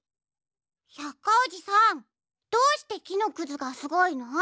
百科おじさんどうしてきのくずがすごいの？